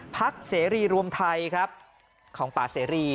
เสรีรวมไทยครับของป่าเสรี